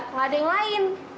enggak ada yang lain